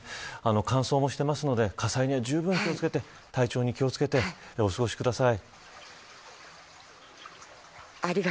乾燥もしているので火災にはじゅうぶん気を付けて体調に気を付けてお過ごしください。